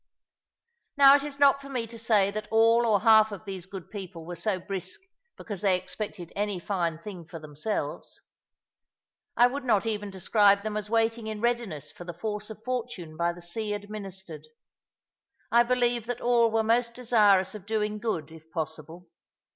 Now it is not for me to say that all or half of these good people were so brisk because they expected any fine thing for themselves. I would not even describe them as waiting in readiness for the force of fortune by the sea administered. I believe that all were most desirous of doing good, if possible.